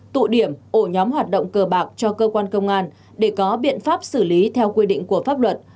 tụ điểm ổ nhóm hoạt động cờ bạc cho cơ quan công an để có biện pháp xử lý theo quy định của pháp luật